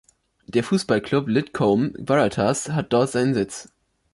Der Fussballclub Lidcombe Waratahs hat dort seinen Sitz.